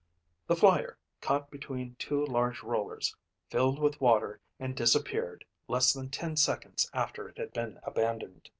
The Flyer, caught between two large rollers, filled with water and disappeared less than ten seconds after it had been abandoned.